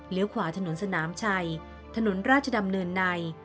ขวาถนนสนามชัยถนนราชดำเนินใน